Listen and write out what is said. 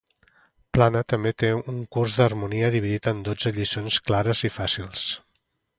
Plane, també té un curs d'harmonia dividit en dotze lliçons clares i fàcils.